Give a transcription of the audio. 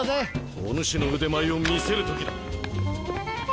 お主の腕前を見せる時だ。